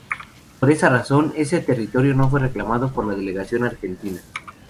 Por esa razón, ese territorio no fue reclamado por la delegación argentina.